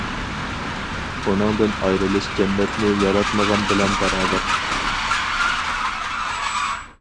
ئۇنىڭدىن ئايرىلىش جەننەتنى ياراتمىغان بىلەن باراۋەر.